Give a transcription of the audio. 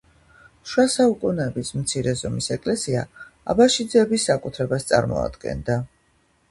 შუა საუკუნეების მცირე ზომის ეკლესია აბაშიძეების საკუთრებას წარმოადგენდა.